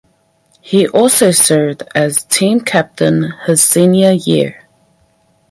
He also served as team captain his senior year.